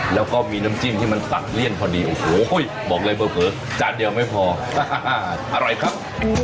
แล้วก็มีน้ำจิ้มที่มันสัดเลี่ยนพอดีโอ้โหบอกเลยเผลอจานเดียวไม่พออร่อยครับ